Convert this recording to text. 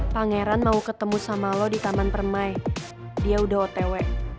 pangeran mau ketemu sama lo di taman permai dia udah otw